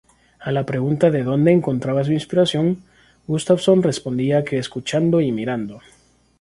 A la pregunta de dónde encontraba su inspiración, Gustafsson respondía que "escuchando y mirando".